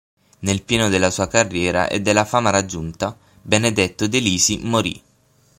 Nel pieno della sua carriera e della fama raggiunta, Benedetto De Lisi morì.